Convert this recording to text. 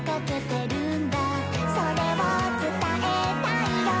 「それを伝えたいよ」